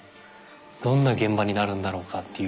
どんな現場になるんだろうかっていう。